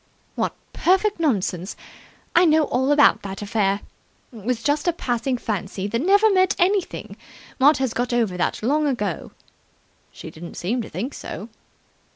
"What perfect nonsense! I know all about that affair. It was just a passing fancy that never meant anything. Maud has got over that long ago." "She didn't seem to think so."